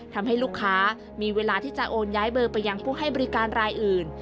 ทำให้ลูกค้ามีเวลาที่จะโอนย้ายเบอร์ไปยังผู้ให้บริการรายอื่น